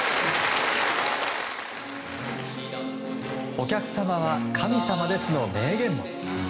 お客様は神様ですの名言も。